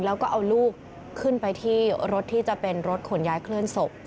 แล้วก็เอาลูกขึ้นไปที่รถที่จะเป็นรถขนย้ายเคลื่อนศพ